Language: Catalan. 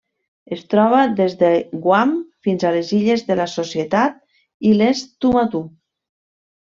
Es troba des de Guam fins a les Illes de la Societat i les Tuamotu.